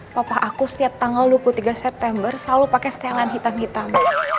papa aku setiap tanggal dua puluh tiga september selalu pakai setelan hitam hitam